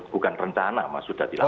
bukan rencana mas sudah dilakukan